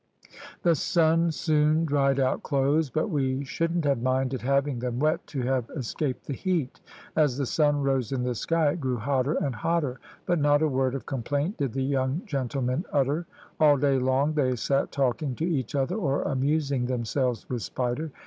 The sun soon dried out clothes, but we shouldn't have minded having them wet to have escaped the heat. As the sun rose in the sky it grew hotter and hotter, but not a word of complaint did the young gentlemen utter. All day long they sat talking to each other, or amusing themselves with Spider.